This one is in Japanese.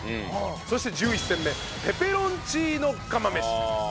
そして１１戦目ペペロンチーノ釜飯。